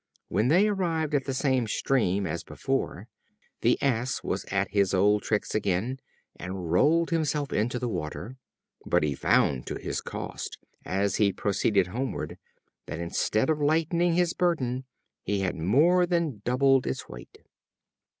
When they arrived at the same stream as before, the Ass was at his old tricks again, and rolled himself into the water; but he found to his cost, as he proceeded homewards, that instead of lightening his burden, he had more than doubled its weight.